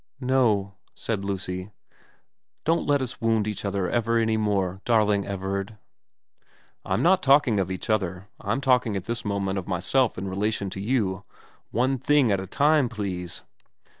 ' No,' said Lucy. ' Don't let us wound each other ever any more, darling Everard.' ' I'm not talking of each other. I'm talking at this moment of myself in relation to you. One thing at a time, please.'